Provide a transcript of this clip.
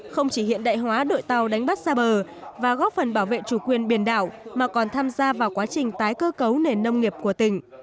không chỉ hiện đại hóa đội tàu đánh bắt xa bờ và góp phần bảo vệ chủ quyền biển đảo mà còn tham gia vào quá trình tái cơ cấu nền nông nghiệp của tỉnh